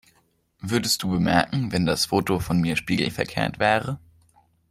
Würdest du bemerken, wenn das Foto von mir spiegelverkehrt wäre?